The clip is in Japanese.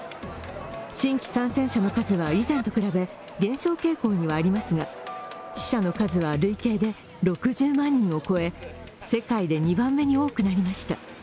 新規感染者の数は以前と比べ減少傾向にはありますが、死者の数は累計で６０万人を超え、世界で２番目に多くなりました。